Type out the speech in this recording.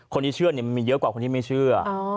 คนที่เชื่อมันมีเยอะกว่าคนที่ไม่เชื่อ